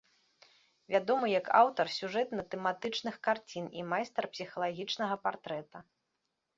Вядомы, як аўтар сюжэтна-тэматычных карцін і майстар псіхалагічнага партрэта.